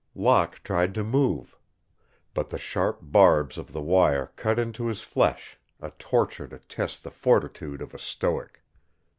Locke tried to move. But the sharp barbs of the wire cut into his flesh, a torture to test the fortitude of a stoic.